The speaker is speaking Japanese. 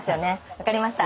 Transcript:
分かりました。